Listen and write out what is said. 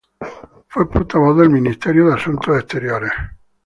Fue portavoz del Ministerio de Asuntos Exteriores.